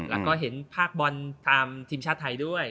แล้วก็เห็นภาคบอลตามทีมชาติไทยด้วย